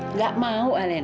nggak mau alena